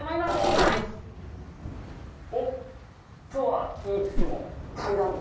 はいおっ！とは言いつつも階段。